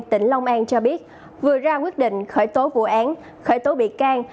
tỉnh long an cho biết vừa ra quyết định khởi tố vụ án khởi tố bị can